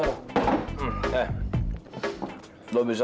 lo maen lo disini ya